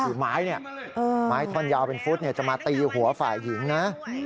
คือไม้เนี่ยไม้ท่อนยาวเป็นฟุตจะมาตีหัวฝ่ายหญิงนะ